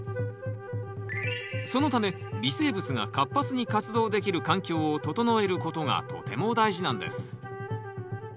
そのため微生物が活発に活動できる環境を整えることがとても大事なんです。